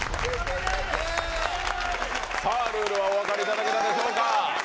さあ、ルールはお分かりいただけましたでしょうか。